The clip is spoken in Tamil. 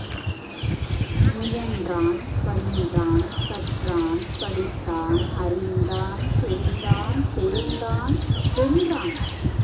முயன்றான், பயின்றான், கற்றான், படித்தான், அறிந்தான், தெரிந்தான், தேர்ந்தான், வென்றான்.